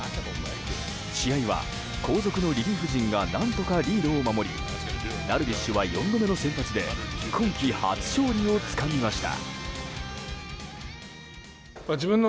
試合は後続のリリーフ陣が何とかリードを守りダルビッシュは４度目の先発で今季初勝利をつかみました。